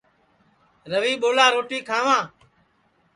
روی ٻولا روٹی کھاواں